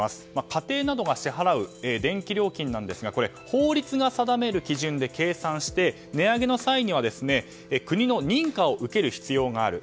家庭などが支払う電気料金なんですが法律が定める基準で計算して値上げの際には国の認可を受ける必要がある。